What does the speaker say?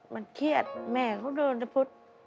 มันเครียดแม่เขาโดนตะพุทธ